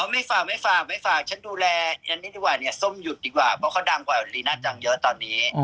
ไม่ฝากไม่ฝากไม่ฝากฉันดูแลฉันนี่ดีกว่าเนี่ยส้มหยุดดีกว่าเพราะเขาดังกว่าลีน่าจังเยอะตอนนี้